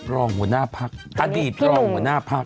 รองหัวหน้าพักอดีตรองหัวหน้าพัก